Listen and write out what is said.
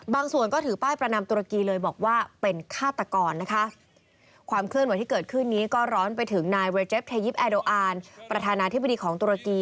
บางส่วนก็นำไข่ไกน